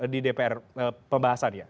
di dpr pembahasan ya